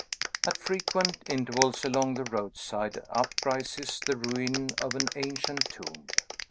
At frequent intervals along the roadside up rises the ruin of an ancient tomb.